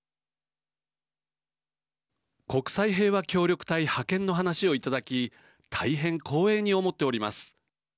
国際平和協力隊派遣の話をいただき大変光栄に思っております。